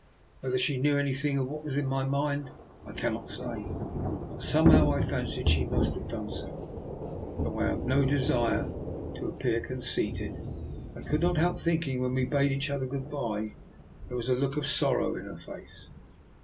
Whether she knew anything of what was in my mind, I cannot say; but somehow I fancied she must have done so, for, though I have no desire to appear conceited, I could not help thinking, when we bade each other good bye, there was a look of sorrow in her face.